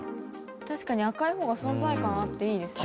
確かに赤い方が存在感あっていいですね。